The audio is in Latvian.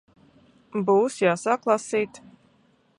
Būs jāsāk lasīt...